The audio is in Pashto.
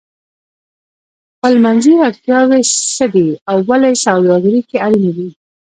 خپلمنځي وړتیاوې څه دي او ولې سوداګري کې اړینې دي؟